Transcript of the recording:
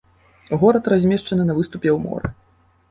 Горад размешчаны на выступе ў моры.